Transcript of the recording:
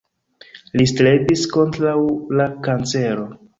Li strebis kontraŭ la kancero.